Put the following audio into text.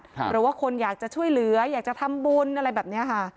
หรือว่าคนอยากจะช่วยเหลืออยากจะทำบุญอะไรแบบนี้ค่ะ